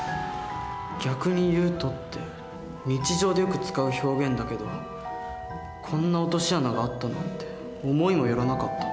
「逆に言うと」って日常でよく使う表現だけどこんな落とし穴があったなんて思いも寄らなかった。